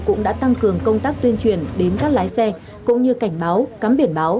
cũng đã tăng cường công tác tuyên truyền đến các lái xe cũng như cảnh báo cắm biển báo